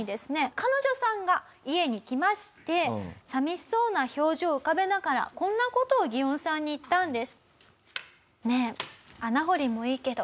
彼女さんが家に来まして寂しそうな表情を浮かべながらこんな事をギオンさんに言ったんです。